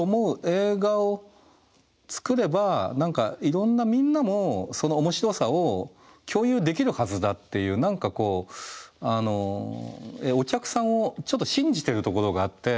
映画を作ればいろんなみんなもその面白さを共有できるはずだっていう何かこうお客さんをちょっと信じてるところがあって。